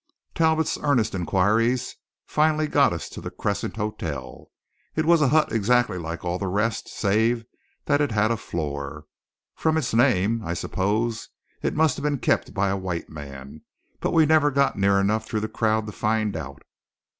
Talbot's earnest inquiries finally got us to the Crescent Hotel. It was a hut exactly like all the rest, save that it had a floor. From its name I suppose it must have been kept by a white man, but we never got near enough through the crowd to find out.